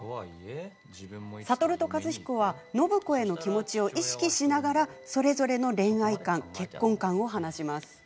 智と和彦は暢子への気持ちを意識しながらそれぞれの恋愛観、結婚観を話します。